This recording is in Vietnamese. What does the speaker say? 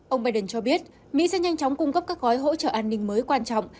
ông biden cho biết mỹ sẽ nhanh chóng cung cấp các gói hỗ trợ an ninh mới quan trọng